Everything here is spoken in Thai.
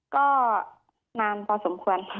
ก็นานพอสมควร